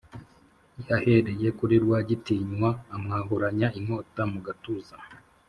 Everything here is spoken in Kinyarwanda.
yahereye kuri rwagitinywa amwahuranya inkota mugatuza